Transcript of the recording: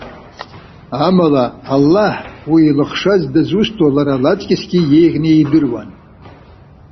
Амала, Аллаҳ уи илыхшаз дызусҭоу лара лацкьысгьы иеиӷьны идыруан.